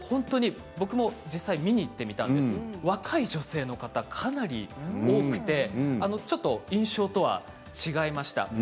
僕も実際見に行ってみたんですけれど若い女性の方がかなり多くて印象とは違いました。